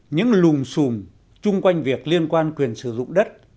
những lùm xùm chung quanh việc liên quan quyền sử dụng đất